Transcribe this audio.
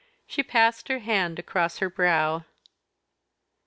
She passed her hand across her brow.